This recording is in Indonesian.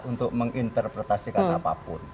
untuk menginterpretasikan apapun